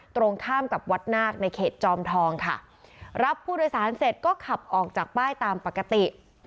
ตรงข้ามกับวัดนาคในเขตจอมทองค่ะรับผู้โดยสารเสร็จก็ขับออกจากป้ายตามปกติ